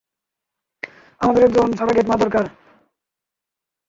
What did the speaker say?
আমাদের একজন সারোগেট মা দরকার।